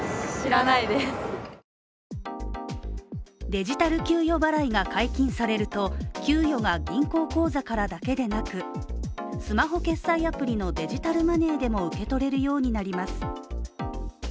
デジタル給与払いが解禁されると給与が銀行口座からだけでなくスマホ決済アプリのデジタルマネーでも受け取れるようになります。